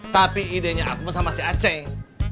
tapi idenya aku sama si aceh